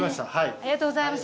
ありがとうございます。